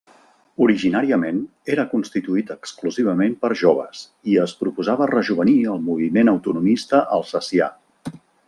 Originàriament, era constituït exclusivament per joves i es proposava rejovenir el moviment autonomista alsacià.